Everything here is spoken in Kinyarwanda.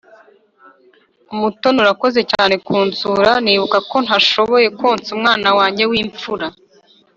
Umutoni urakoze cyane kunsura nibuka ko ntashoboye konsa umwana wanjye w’imfura